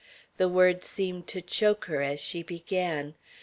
The words seemed to choke her as she began.